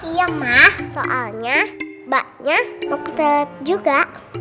iya ma soalnya mbaknya mau ke toilet juga